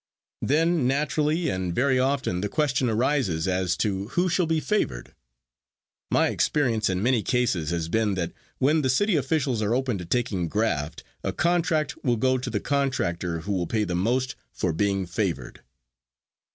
Then naturally and very often the question arises as to who shall be favored. My experience in many cases has been that when the city officials are open to taking graft, a contract will go to the contractor who will pay the most for being favored.